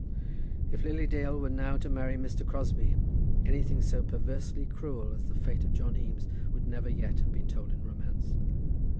If Lily Dale were now to marry Mr. Crosbie, anything so perversely cruel as the fate of John Eames would never yet have been told in romance.